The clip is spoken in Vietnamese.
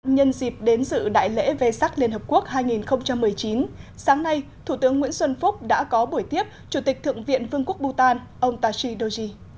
nhân dịp đến sự đại lễ về sắc liên hợp quốc hai nghìn một mươi chín sáng nay thủ tướng nguyễn xuân phúc đã có buổi tiếp chủ tịch thượng viện vương quốc bhutan ông tashi doji